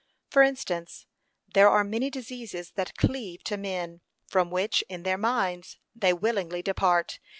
For instance, there are many diseases that cleave to men, from which, in their minds, they willingly depart.